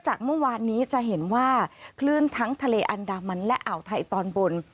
เมื่อวานนี้จะเห็นว่าคลื่นทั้งทะเลอันดามันและอ่าวไทยตอนบน